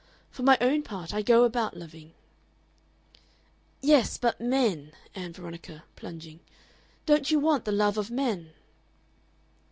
For my own part I go about loving." "Yes, but men;" said Ann Veronica, plunging; "don't you want the love of men?"